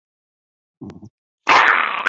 与之相对的概念是物知觉。